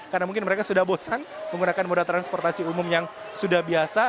karena mungkin mereka sudah bosan menggunakan moda transportasi umum yang sudah biasa